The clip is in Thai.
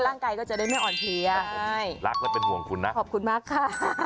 ร่างกายก็จะได้ไม่อ่อนเพลียใช่รักและเป็นห่วงคุณนะขอบคุณมากค่ะ